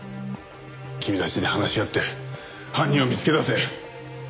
君たちで話し合って犯人を見つけ出せ。